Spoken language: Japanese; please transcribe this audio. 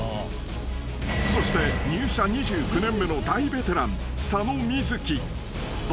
［そして入社２９年目の大ベテラン］